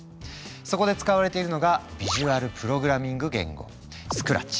そこで使われているのが「ビジュアルプログラミング言語」「ＳＣＲＡＴＣＨ」。